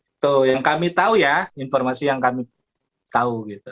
itu yang kami tahu ya informasi yang kami tahu gitu